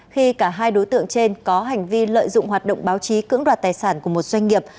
khi cả hai đối tượng trên có hành vi lợi dụng hoạt động báo chí cưỡng đoạt tài sản của một doanh nghiệp